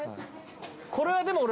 これはでも俺。